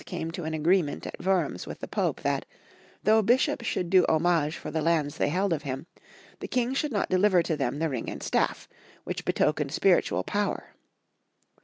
came to an agreement at Wurms with the Pope that, though bishops should do homage for the lands they held of him, the King should not deliver to them the ring and staff, which betokened spiritual power.